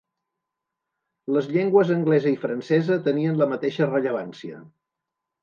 Les llengües anglesa i francesa tenien la mateixa rellevància.